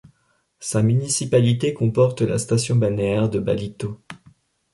Sa municipalité comporte la station balnéaire de Ballito.